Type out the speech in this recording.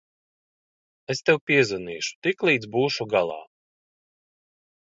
Es tev piezvanīšu, tiklīdz būšu galā.